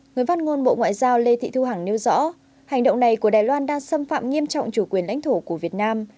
người phát ngôn bộ ngoại giao lê thị thu hằng nêu rõ hành động này của đài loan đang xâm phạm nghiêm trọng chủ quyền lãnh thổ của việt nam